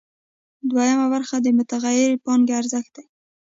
دویمه برخه د متغیرې پانګې ارزښت دی